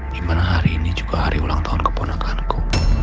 dimana hari ini juga hari ulang tahun keponakan ku